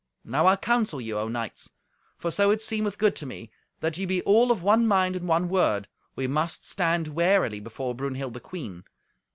Now I counsel you, O knights, for so it seemeth good to me, that ye be all of one mind and one word; we must stand warily before Brunhild the queen.